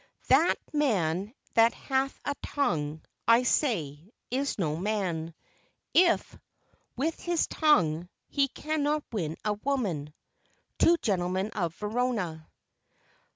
"That man that hath a tongue, I say, is no man, If, with his tongue, he cannot win a woman." _Two Gentlemen of Verona.